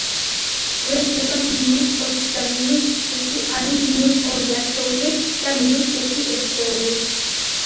გვექნება მინუს ოცი და მინუს ხუთი, ანუ მინუს ორი ათეული და მინუს ხუთი ერთეული.